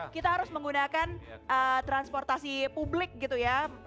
kita harus menggunakan transportasi publik gitu ya